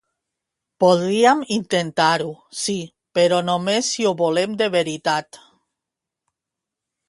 Podríem intentar-ho, sí, però només si ho volem de veritat.